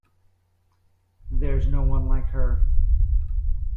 There's no one like her.